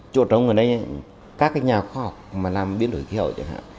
chỗ trống ở đây các nhà khoa học mà làm biến đổi khí hậu chẳng hạn